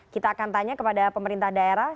kita akan tanya kepada pemerintah daerah